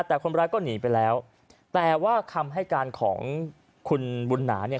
แต่คนร้ายก็หนีไปแล้วแต่ว่าคำให้การของคุณบุญหนาเนี่ย